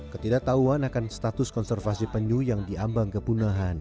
ketidaktauan akan status konservasi penyuh yang diambang kepunahan